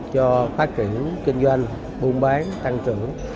cho phát triển kinh doanh buôn bán tăng trưởng